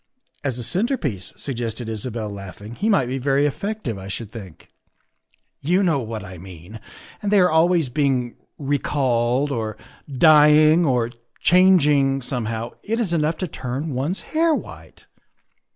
'' "As a centrepiece," suggested Isabel, laughing, " he might be very effective, I should think." " You know what I mean. And they are always being recalled, or dying, or changing somehow. It is enough to turn one 's hair white.